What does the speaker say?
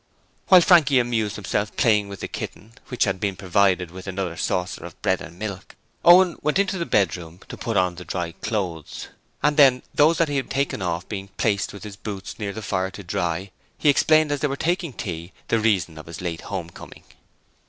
While Frankie amused himself playing with the kitten, which had been provided with another saucer of bread and milk, Owen went into the bedroom to put on the dry clothes, and then, those that he had taken off having been placed with his boots near the fire to dry, he explained as they were taking tea the reason of his late homecoming.